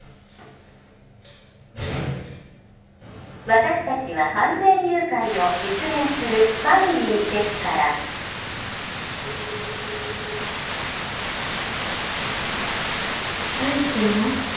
☎私達は完全誘拐を実現する☎ファミリーですから何してるの？